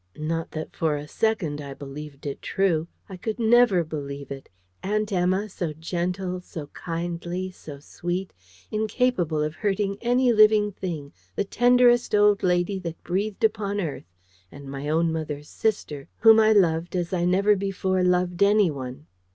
Not that for a second I believed it true. I could never believe it. Aunt Emma, so gentle, so kindly, so sweet: incapable of hurting any living thing: the tenderest old lady that breathed upon earth: and my own mother's sister, whom I loved as I never before loved anyone!